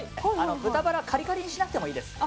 豚バラはカリカリにしなくてもいいです。